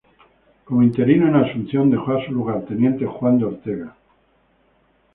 Como interino en Asunción dejó a su lugarteniente Juan de Ortega.